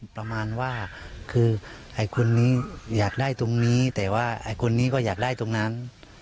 ประมาณว่าคือไอ้คนนี้อยากได้ตรงนี้แต่ว่าไอ้คนนี้ก็อยากได้ตรงนั้น